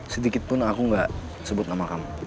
sedikit pun aku gak sebut nama kamu